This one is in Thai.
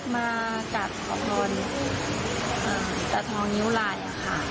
มากับขอบคลอนกระทองนิ้วลายอ่ะค่ะ